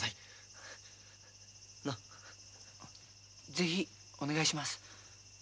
ぜひお願いします。